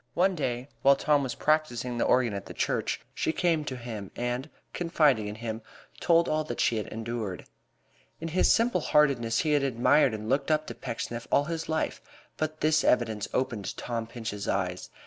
One day while Tom was practising the organ at the church she came to him and, confiding in him, told all that she had endured. In his simple heartedness he had admired and looked up to Pecksniff all his life, but this evidence opened Tom Pinch's eyes.